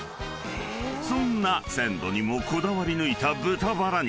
［そんな鮮度にもこだわり抜いた豚バラ肉］